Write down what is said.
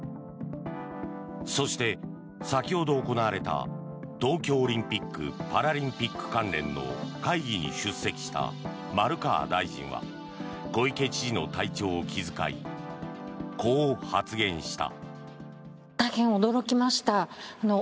そして、先ほど行われた東京オリンピック・パラリンピック関連の会議に出席した丸川大臣は小池知事の体調を気遣いこう発言した。